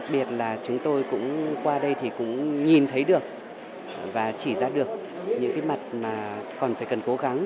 biệt là chúng tôi cũng qua đây thì cũng nhìn thấy được và chỉ ra được những cái mặt mà còn phải cần cố gắng